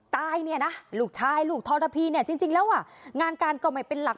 ตายลูกชายลูกธรพีจริงแล้วงานการก่อมัยเป็นหลัก